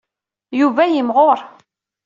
Yuba yimɣur.